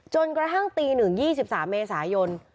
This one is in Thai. จนกระทั่งตีหนึ่ง๒๓เมษายน